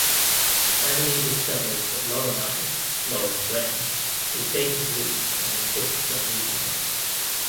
Emily discovers that Lorelai (Lauren Graham) is dating Luke and insists on meeting him.